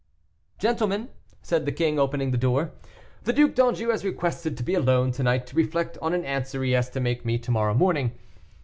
"Gentlemen," said the king, opening the door, "the Duc d'Anjou has requested to be alone to night to reflect on an answer he has to make to me to morrow morning.